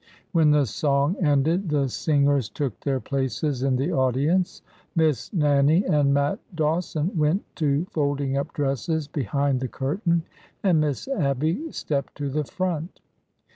When the song ended, the singers took their places in the audience, Miss Nannie and Matt Dawson went to folding up dresses behind the curtain, and Miss Abby stepped to the front.